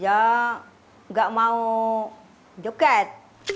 ya gak mau joget